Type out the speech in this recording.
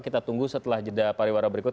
kita tunggu setelah jeda pariwara berikut